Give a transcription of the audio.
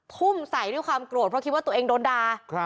ทุ่มใส่ด้วยความโกรธเพราะคิดว่าตัวเองโดนด่า